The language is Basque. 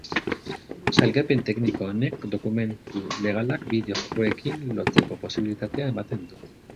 Sailkapen tekniko honek dokumentu legalak bideo-jokoekin lotzeko posibilitatea ematen du.